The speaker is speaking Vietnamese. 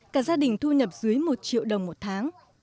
cả gia đình thu nhập dưới một triệu đồng một tháng